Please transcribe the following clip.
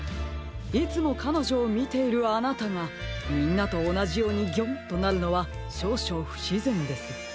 いつもかのじょをみているあなたがみんなとおなじように「ギョン！」となるのはしょうしょうふしぜんです。